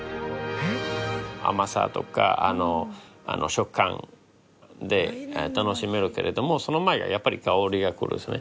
甘さとか食感で楽しめるけれどもその前がやっぱり香りがくるんですね。